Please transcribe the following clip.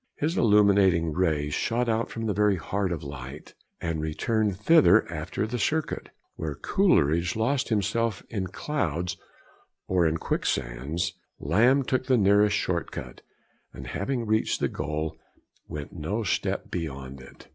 His illuminating rays shot out from the very heart of light, and returned thither after the circuit. Where Coleridge lost himself in clouds or in quicksands, Lamb took the nearest short cut, and, having reached the goal, went no step beyond it.